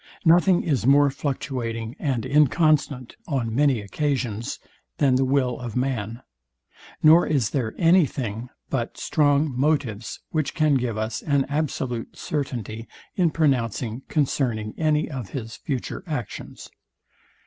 Nothing is more fluctuating and inconstant on many occasions, than the will of man; nor is there any thing but strong motives, which can give us an absolute certainty in pronouncing concerning any of his future actions.